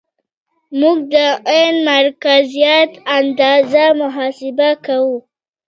موږ د عین مرکزیت اندازه محاسبه کوو